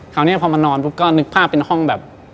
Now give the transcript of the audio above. คราวนี้พอมานอนปุ๊บก็นึกภาพเป็นห้องแบบ